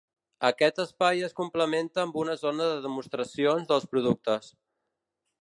Aquest espai es complementa amb una zona de demostracions dels productes.